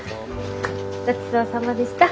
ごちそうさまでした！